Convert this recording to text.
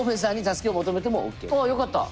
あよかった。